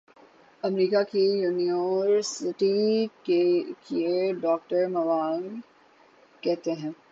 امریکہ کی یونیورسٹی کیے ڈاکٹر موانگ کہتے ہیں